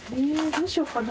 どうしようかな。